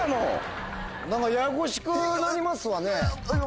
ややこしくなりますわね。